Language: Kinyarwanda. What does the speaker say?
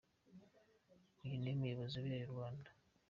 Uyu niwe muyobozi ubereye u Rwanda.